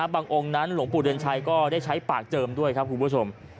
องค์นั้นหลวงปู่เดือนชัยก็ได้ใช้ปากเจิมด้วยครับคุณผู้ชม